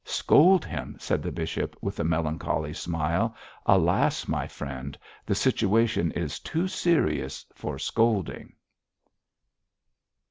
'Scold him,' said the bishop, with a melancholy smile. 'Alas, my friend, the situation is too serious for scolding!'